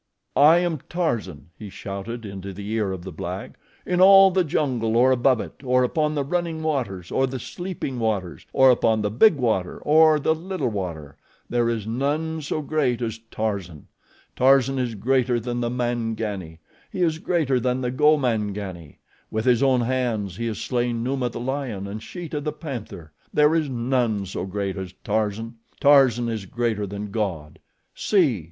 "I am Tarzan," he shouted into the ear of the black. "In all the jungle, or above it, or upon the running waters, or the sleeping waters, or upon the big water, or the little water, there is none so great as Tarzan. Tarzan is greater than the Mangani; he is greater than the Gomangani. With his own hands he has slain Numa, the lion, and Sheeta, the panther; there is none so great as Tarzan. Tarzan is greater than God. See!"